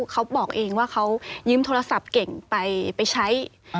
เขาบอกเองว่าเขายืมโทรศัพท์เก่งไปใช้